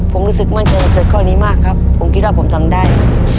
ผมรู้สึกมั่นใจเกิดข้อนี้มากครับผมคิดว่าผมทำได้